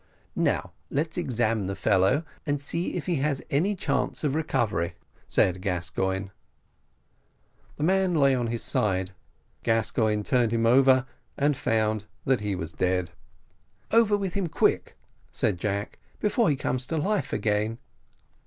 "Now let's examine the fellow, and see if he has any chance of recovery," said Gascoigne. The man lay on his side; Gascoigne turned him over, and found that he was dead. "Over with him, quick," said Jack, "before he comes to life again."